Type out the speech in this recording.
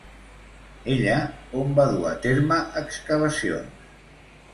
Ella on va dur a terme excavacions?